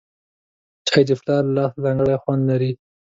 چای د پلار له لاسه ځانګړی خوند لري